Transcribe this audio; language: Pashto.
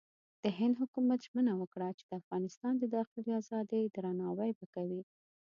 د هند حکومت ژمنه وکړه چې د افغانستان د داخلي ازادۍ درناوی به کوي.